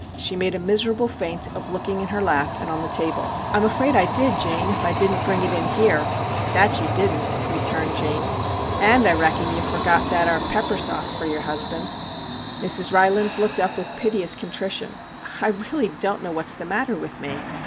She made a miserable feint of looking in her lap and on the table. * I 'm afraid I did, Jane, if I didn't bring it in here' 'That you didn't/ returned Jane. 'And I reckon ye forgot that 'ar pepper sauce for yer husband/ MR. JACK HAMLIN'S MEDIATION 7 Mrs. Rylands looked up with piteous con trition. * I really don't know what 's the matter with me.